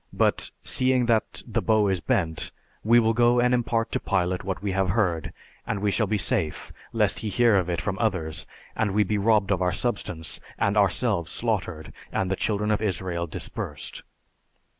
But seeing that the 'bow is bent,' we will go and impart to Pilate what we have heard, and we shall be safe, lest he hear of it from others and we be robbed of our substance and ourselves slaughtered, and the children of Israel dispersed.